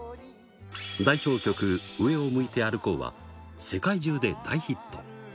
代表曲、上を向いて歩こうは、世界中で大ヒット。